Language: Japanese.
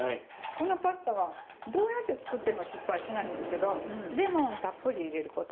このパスタはどうやって作っても失敗しないんですけどレモンをたっぷり入れること。